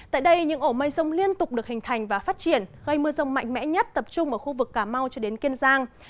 tại đây những ổ mây rông liên tục được hình thành và phát triển gây mưa rông mạnh mẽ nhất tập trung ở khu vực cà mau cho đến kiên giang